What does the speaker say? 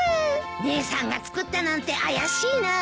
姉さんが作ったなんて怪しいなあ。